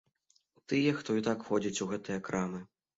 Тыя, хто і так ходзіць у гэтыя крамы.